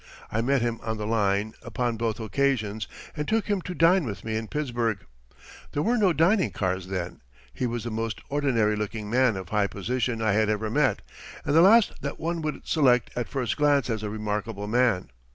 I met him on the line upon both occasions and took him to dine with me in Pittsburgh. There were no dining cars then. He was the most ordinary looking man of high position I had ever met, and the last that one would select at first glance as a remarkable man.